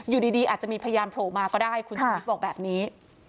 อยู่ดีอาจจะมีพยานโผล่มาก็ได้คุณชุวิตบอกแบบนี้